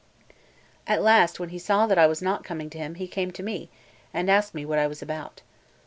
At last, when he saw that I was not coming to him, he came to me, and asked me what I was about.